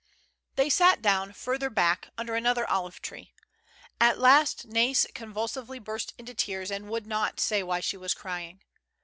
'^ They sat down further back, under another olive tree. At last Nais convulsively burst into tears, and would not say why she was crying.